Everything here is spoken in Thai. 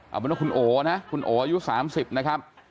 เอาเป็นว่าคุณโอนะคุณโออายุ๓๐นะครับ